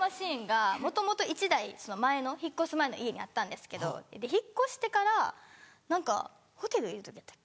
もともと１台引っ越す前の家にあったんですけど引っ越してから何かホテルいる時やったっけ？